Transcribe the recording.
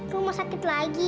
rumah sakit lagi